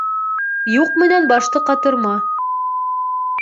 — Юҡ менән башты ҡатырма.